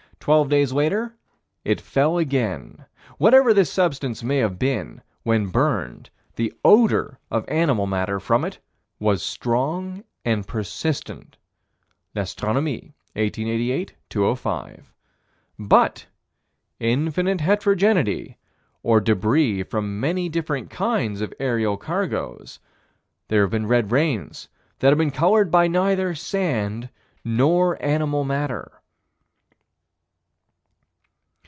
Twelve days later, it fell again. Whatever this substance may have been, when burned, the odor of animal matter from it was strong and persistent. (L'Astronomie, 1888 205.) But infinite heterogeneity or débris from many different kinds of aerial cargoes there have been red rains that have been colored by neither sand nor animal matter.